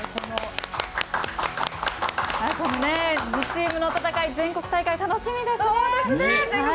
２チームの戦い全国大会、楽しみですね。